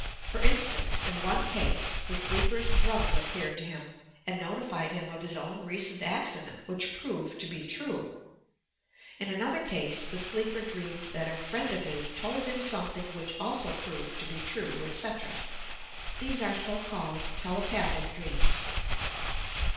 For instance, in one case, the sleeper's brother appeared to him and notified him of his own recent acci dent which proved to be true. In another case the eleeper dreamed that a friend of his told him something which also proved to be true, etc. These are so called telepathic dreams.